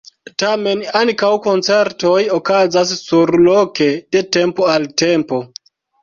Tamen ankaŭ koncertoj okazas surloke de tempo al tempo.